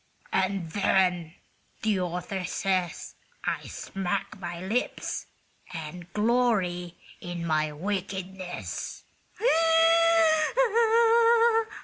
And then, the author says, I smack my lips and glory in my wickedness."